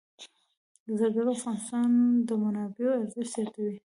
زردالو د افغانستان د اقتصادي منابعو ارزښت زیاتوي.